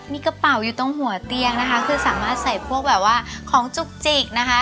มีกระเป๋าอยู่ตรงหัวเตียงนะคะคือสามารถใส่พวกแบบว่าของจุกจิกนะคะ